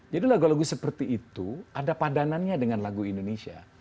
jadi lagu lagu seperti itu ada padanannya dengan lagu indonesia